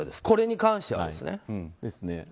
これに関してはですね。